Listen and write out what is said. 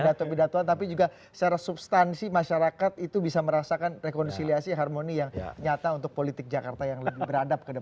pidato pidatoan tapi juga secara substansi masyarakat itu bisa merasakan rekonsiliasi harmoni yang nyata untuk politik jakarta yang lebih beradab ke depan